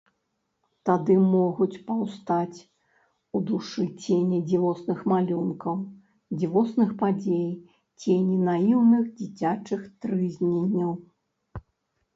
Тады могуць паўстаць у душы цені дзівосных малюнкаў, дзівосных падзей, цені наіўных дзіцячых трызненняў.